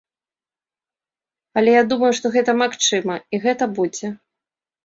Але я думаю, што гэта магчыма і гэта будзе.